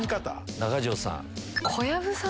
中条さん。